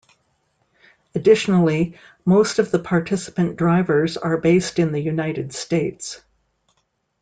Additionally, most of the participant drivers are based in the United States.